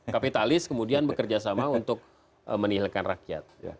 kapitalis kemudian bekerja sama untuk menihilkan rakyat